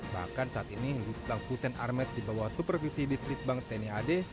bahkan saat ini lututang hussein armet dibawa supervisi di stribang tni ad